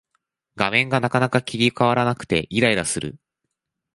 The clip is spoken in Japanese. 画面がなかなか切り替わらなくてイライラする